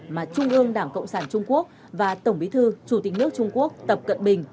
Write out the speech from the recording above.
mà trung ương đảng cộng sản trung quốc và tổng bí thư chủ tịch nước trung quốc tập cận bình